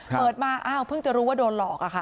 เปิดมาเพิ่งจะรู้ว่าโดนหลอกค่ะ